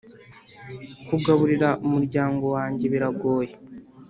kugaburira umuryango wanjye biragoye